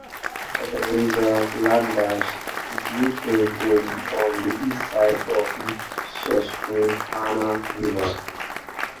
Ebenezer Landers built a home on the east side of the Susquehanna River.